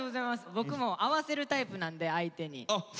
僕も合わせるタイプなんで相手に。